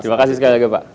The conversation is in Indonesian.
terima kasih sekali lagi pak